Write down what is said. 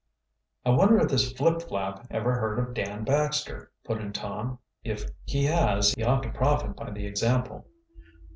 "I wonder if this Flipflap ever heard of Dan Baxter," put in Tom. "If he has he ought to profit by the example."